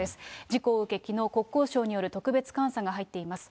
事故を受け、きのう、国交省による特別監査が入っています。